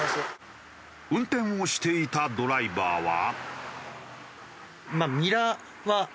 運転をしていたドライバーは。